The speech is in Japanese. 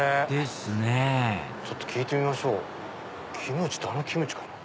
ですねちょっと聞いてみましょうキムチってあのキムチかな。